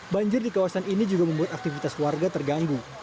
banjir di kawasan ini juga membuat aktivitas warga terganggu